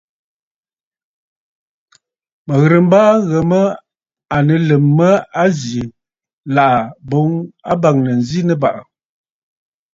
Mə̀ ghɨrə mbaaa ŋghə mə à nɨ Lum mə a zì, làʼ̀à boŋ a bàŋnə zi Nɨbàʼà.